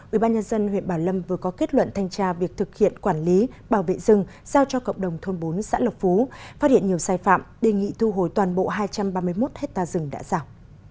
ubnd huyện bảo lâm vừa có kết luận thanh tra việc thực hiện quản lý bảo vệ rừng giao cho cộng đồng thôn bốn xã lộc phú phát hiện nhiều sai phạm đề nghị thu hồi toàn bộ hai trăm ba mươi một hectare rừng đã rào